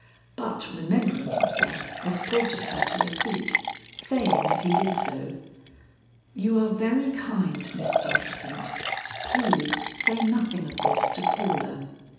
But remembering himself, escorted her to a seat, saying as he did so: "You are very kind, Miss Stuyvesant; please say nothing of this to Paula."